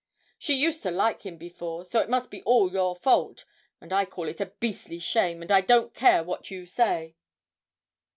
She used to like him before, so it must be all your fault, and I call it a beastly shame, and I don't care what you say!'